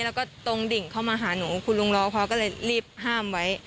แล้วก็ตรงดิ่งเข้ามาหาหนูคุณลุงรอเขาก็เลยรีบห้ามไว้